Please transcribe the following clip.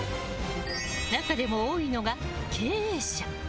中でも多いのが、経営者。